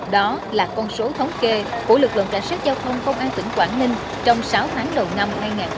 đó là con số thống kê của lực lượng cảnh sát giao thông công an tỉnh quảng ninh trong sáu tháng đầu năm hai nghìn hai mươi ba